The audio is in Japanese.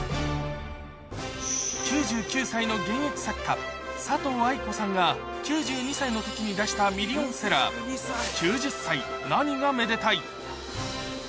９９歳の現役作家、佐藤愛子さんが９２歳のときに出したミリオンセラー、九十歳。